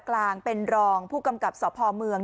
กลางเป็นรองผู้กำกับสพเมือง